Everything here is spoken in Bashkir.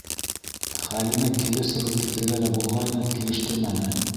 Хәлимә кире сығып китергә лә булғайны, килештермәне.